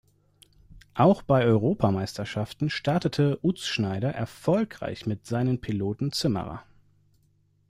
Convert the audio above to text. Auch bei Europameisterschaften startete Utzschneider erfolgreich mit seinem Piloten Zimmerer.